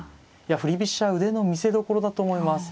振り飛車腕の見せどころだと思います。